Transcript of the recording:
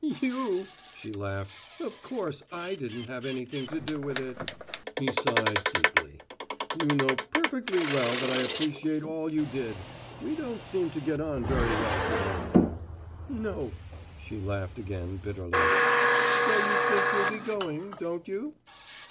"You?" she laughed. "Of course I didn't have anything to do with it!" He sighed deeply. "You know perfectly well that I appreciate all you did. We don't seem to get on very well to day " "No!" She laughed again, bitterly. "So you think you'll be going, don't you?"